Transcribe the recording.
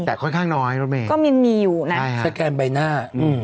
แต่ค่อนข้างน้อยไม่มีก็มีอยู่นะสแกนใบหน้า